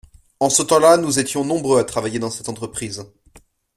En ce temps-là nous étions nombreux à travailler dans cette entreprise.